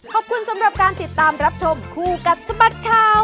ขอบคุณสำหรับการติดตามรับชมคู่กับสบัดข่าว